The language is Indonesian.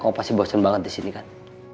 oh pasti bosen banget di sini kan